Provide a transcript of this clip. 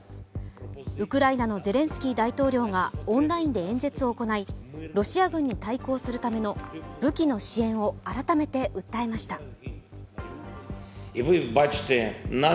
ウクライナのゼレンスキー大統領がオンラインで演説を行い、ロシア軍に対抗するための武器の支援を改めて訴えました。